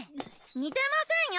にてませんよ！